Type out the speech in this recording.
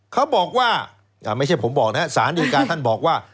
เขาบอกว่าไม่ใช่ผมบอกนะสารดีการท่านบอกว่า